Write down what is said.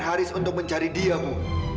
haris untuk mencari dia bu